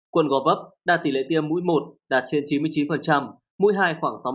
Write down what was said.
quận gò vấp đạt tỷ lệ tiêm mũi một đạt trên chín mươi chín mũi hai khoảng sáu mươi